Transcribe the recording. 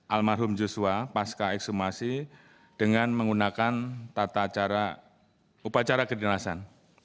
almarhum joshua pasca ekshumasi dengan menggunakan upacara kedinasan